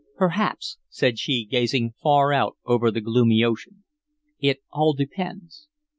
"Perhaps," said she, gazing far out over the gloomy ocean. "It all depends."